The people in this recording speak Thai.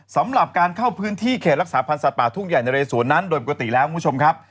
สำหรับการเข้าพื้นที่เขตรักษาพันธ์สัตว์ป่าทุ่งใหญ่นะเรสวนนั้นโดยปกติแล้วคุณผู้ชมครับ